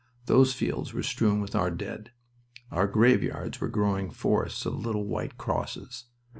Those fields were strewn with our dead. Our graveyards were growing forests of little white crosses.